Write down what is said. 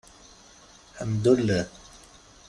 Ḥemdullah.